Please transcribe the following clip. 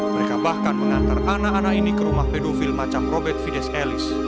mereka bahkan mengantar anak anak ini ke rumah pedofil macam robert fides elis